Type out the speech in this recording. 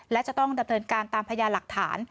และจะต้องดำเนินการตามพยานหลักฐาน